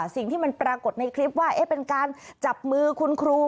สิ่งที่มันปรากฏในคลิปว่าเป็นการจับมือคุณครู